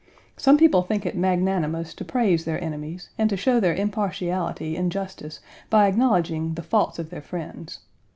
Some people think it magnanimous to praise their enemies and to show their impartiality and justice by acknowledging the faults of their friends.